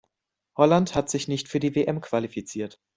Holland hat sich nicht für die WM qualifiziert.